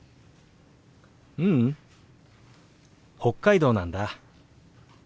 ううん北海道なんだ。